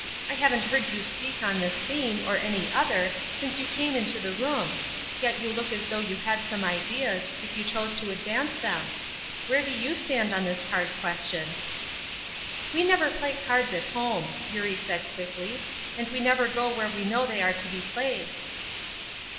I haven't heard you speak on this theme, or any other, since you came into the room; yet you look as though you had some ideas, if you chose to advance them. Where do you stand on this card question?" "We never play cards at home," Eurie said, quickly, "and we never go where we know they are to be played."